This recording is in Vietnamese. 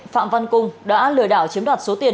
phạm văn cung đã lừa đảo chiếm đoạt số tiền